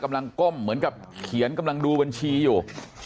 กำลังก้มเหมือนเคียงกำลังดูบัญชีอยู่